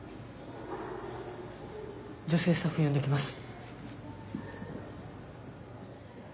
女性スタッフ呼んできます。